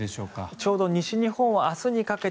ちょうど西日本は明日にかけて